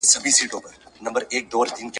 خدایه بیا به کله وینم خپل رنګین بیرغ منلی .